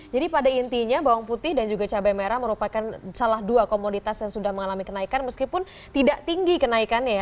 jadi pada intinya bawang putih dan juga cabai merah merupakan salah dua komoditas yang sudah mengalami kenaikan meskipun tidak tinggi kenaikannya ya